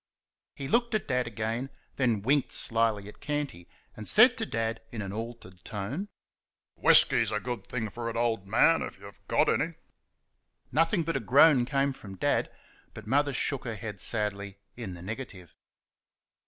He looked at Dad again; then winked slyly at Canty, and said to Dad, in an altered tone: "Whisky's a good thing for it, old man, if you've got any." Nothing but a groan came from Dad, but Mother shook her head sadly in the negative.